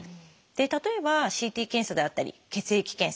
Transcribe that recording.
例えばＣＴ検査であったり血液検査